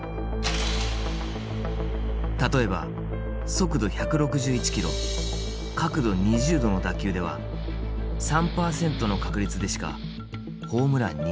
例えば速度１６１キロ角度２０度の打球では３％の確率でしかホームランにならない。